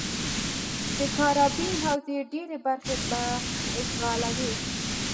د کارابین حوزې ډېرې برخې به اشغالوي.